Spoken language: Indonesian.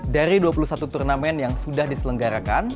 dari dua puluh satu turnamen yang sudah diselenggarakan